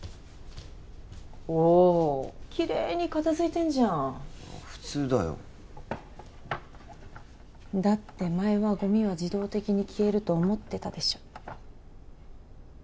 おおきれいに片づいてんじゃん普通だよだって前はゴミは自動的に消えると思ってたでしょ？